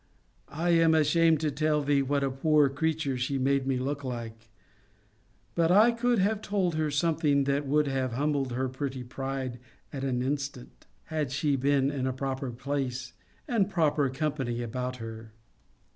I am ashamed to tell thee what a poor creature she made me look like! But I could have told her something that would have humbled her pretty pride at the instant, had she been in a proper place, and proper company about her.